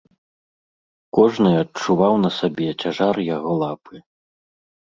Кожны адчуваў на сабе цяжар яго лапы.